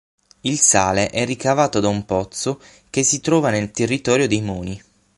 Il sale è ricavato da un pozzo che si trova nel territorio dei Moni.